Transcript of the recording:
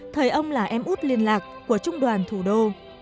thời ông là em út liên lạc của trung đoàn thủ đô